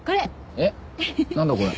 えっなんだ？これ。